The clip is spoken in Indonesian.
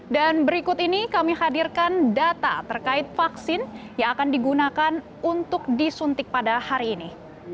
dan berikut ini kami hadirkan data terkait vaksin yang akan digunakan untuk disuntik pada hari ini